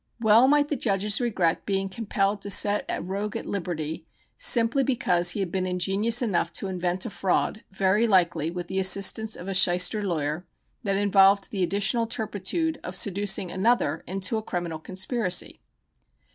Well might the judges regret being compelled to set a rogue at liberty simply because he had been ingenious enough to invent a fraud (very likely with the assistance of a shyster lawyer) which involved the additional turpitude of seducing another into a criminal conspiracy.